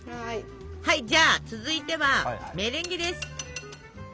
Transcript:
はいじゃあ続いてはメレンゲです。